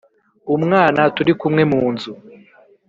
Umwana Turi Kumwe Mu Nzu